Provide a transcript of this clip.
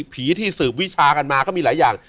ผีที่สืบวิชากันมาก็มีหลายอย่าง